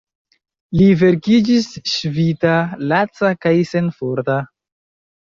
Li vekiĝis ŝvita, laca kaj senforta.